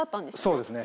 そうですね。